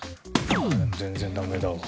全然ダメだわ。